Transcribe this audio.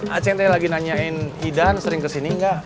acing teh lagi nanyain hidan sering kesini enggak